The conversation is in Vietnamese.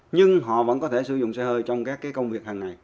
nhưng họ vẫn có thể sử dụng xe hơi trong các công việc hàng ngày